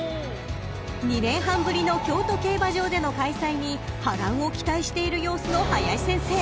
［２年半ぶりの京都競馬場での開催に波乱を期待している様子の林先生。